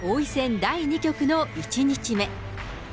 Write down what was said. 第２局の１日目。